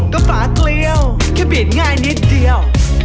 ก็ฝากเรียวก็ปิดง่ายนิดเดียว